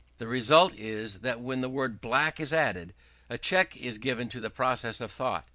The result is that when the word "black" is added, a check is given to the process of thought.